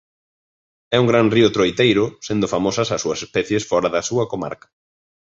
É un gran río troiteiro sendo famosas as súas especies fóra da súa comarca.